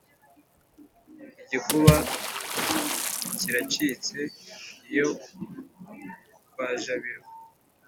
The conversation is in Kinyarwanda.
Igikuba cyiracitse iyo kwa Jabiro